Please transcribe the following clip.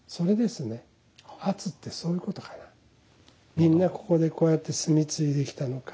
みんなここでこうやって炭継いできたのか。